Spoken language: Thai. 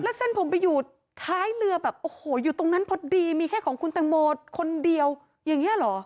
แล้วเส้นผมไปอยู่ท้ายเรือแบบโอ้โหอยู่ตรงนั้นพอดีมีแค่ของคุณตังโมคนเดียวอย่างนี้เหรอ